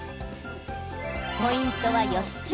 ポイントは４つ。